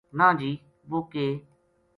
نہ جی ! وہ ک